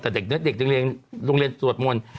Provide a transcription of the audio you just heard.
แต่เด็กยังเรียนโรงเรียนสวดมนต์